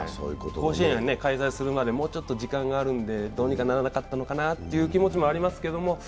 甲子園が開催するまで、もう少し時間があるので、どうにかならなかったのかなという気持ちもありますけど。